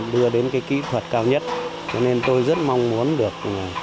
đưa đến cái kỹ thuật cao nhất cho nên tôi rất mong muốn được